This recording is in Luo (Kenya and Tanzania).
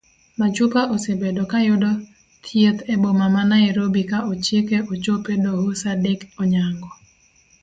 Machupa osebedo kayudo thieth eboma ma nairobi ka ochike ochop edoho saa adek onyango.